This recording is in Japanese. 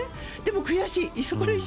でも悔しい。